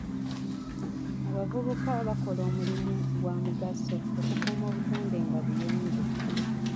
Abavubuka bakola omulimu gwa mugaso okukuuma obutonde nga buyonjo.